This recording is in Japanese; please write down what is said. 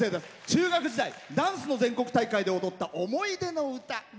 中学時代、ダンスの全国大会で踊った思い出の歌。